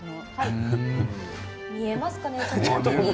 見えますかね。